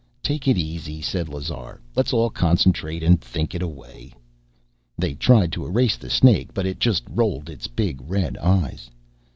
"Take it easy," said Lazar. "Let's all concentrate and think it away." They tried to erase the snake, but it just rolled its big red eyes.